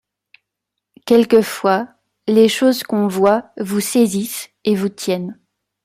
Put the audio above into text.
Quelquefois les choses qu’on voit vous saisissent, et vous tiennent.